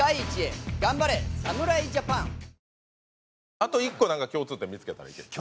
あと１個なんか共通点見付けたらいける。